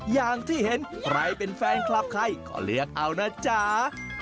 อย่างที่เห็นใครเป็นแฟนคลับใครก็เรียกเอานะจ๊ะ